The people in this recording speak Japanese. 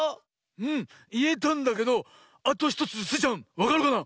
うんいえたんだけどあと１つスイちゃんわかるかな？